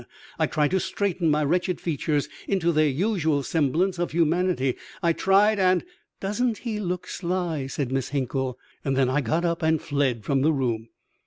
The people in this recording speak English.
I tried to straighten my wretched features into their usual semblance of humanity, I tried and "Doesn't he look sly!" said Miss Hinkle. And then I got up and fled from the room.